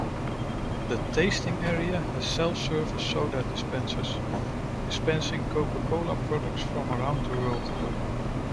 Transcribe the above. The tasting area has self-serve soda dispensers, dispensing Coca-Cola products from around the world.